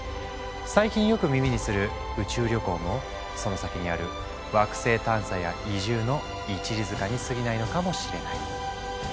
最近よく耳にする宇宙旅行もその先にある惑星探査や移住の一里塚にすぎないのかもしれない。